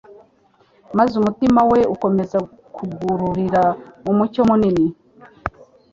maze umutima we ukomeza kugururira umucyo munini